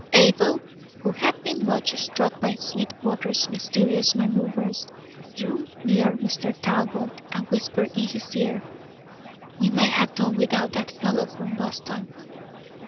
Abel, who had been much struck by Sweetwater's mysterious manoeuvres, drew near Dr. Talbot and whispered in his ear: "We might have done without that fellow from Boston."